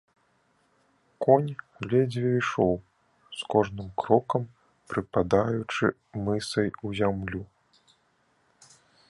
Конь ледзьве ішоў, з кожным крокам прыпадаючы мысай у зямлю.